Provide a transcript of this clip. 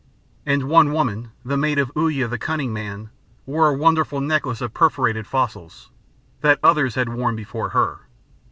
And one woman, the mate of Uya the Cunning Man, wore a wonderful necklace of perforated fossils that others had worn before her.